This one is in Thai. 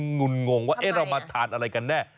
งุ่นงงว่าเรามาทานอะไรกันแน่